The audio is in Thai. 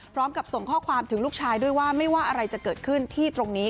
พร้อมกับส่งข้อความถึงลูกชายด้วยว่าไม่ว่าอะไรจะเกิดขึ้นที่ตรงนี้